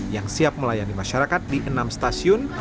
yang siap melayani masyarakat di enam stasiun